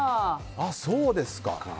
そうですか。